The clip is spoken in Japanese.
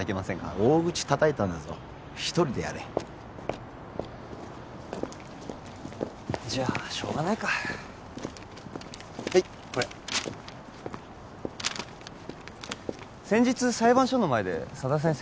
大口叩いたんだぞ一人でやれじゃあしょうがないかはいこれ先日裁判所の前で佐田先生